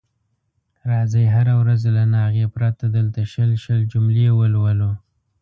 راځئ هره ورځ له ناغې پرته دلته شل شل جملې ولولو.